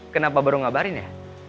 kenapa baru ngabarin ya